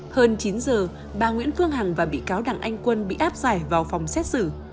hơn chín giờ bà nguyễn phương hằng và bị cáo đặng anh quân bị áp giải vào phòng xét xử